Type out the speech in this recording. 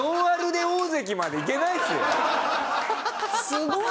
すごい！